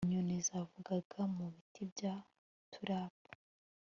Inyoni zavugaga mu biti bya tulip